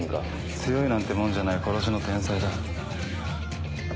強いなんてもんじゃない殺しの天才だ。